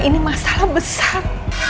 ini masalah besar